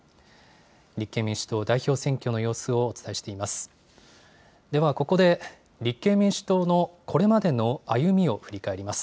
立憲民主党、代表選挙の様子をお伝えしています。